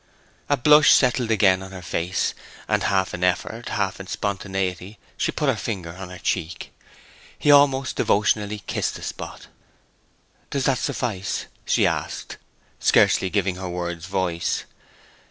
A blush settled again on her face; and half in effort, half in spontaneity, she put her finger on her cheek. He almost devotionally kissed the spot. 'Does that suffice?' she asked, scarcely giving her words voice.